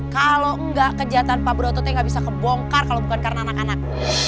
kalau enggak kejahatan pak broto t gak bisa kebongkar kalo bukan karena anak anak